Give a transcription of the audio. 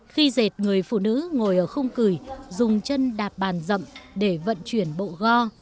khi dệt người phụ nữ ngồi ở khung cửi dùng chân đạp bàn rậm để vận chuyển bộ go